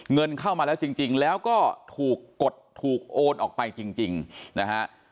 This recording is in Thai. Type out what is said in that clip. เงินเข้ามาแล้วจริงแล้วก็ถูกกดถูกโอนออกไปจริงนะฮะ